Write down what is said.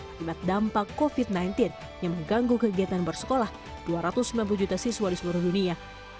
akibat dampak covid sembilan belas yang mengganggu kegiatan bersekolah dua ratus sembilan puluh juta siswa di seluruh dunia